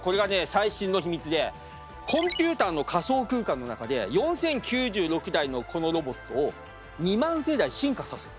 最新の秘密でコンピューターの仮想空間の中で４，０９６台のこのロボットを２万世代進化させる。